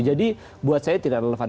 jadi buat saya tidak relevan